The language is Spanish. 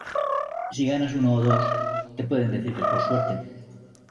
Si ganas uno o dos, te pueden decir que es por suerte".